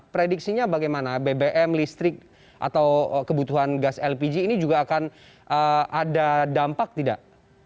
prediksinya bagaimana bbm listrik atau kebutuhan gas lpg ini juga akan ada dampak tidak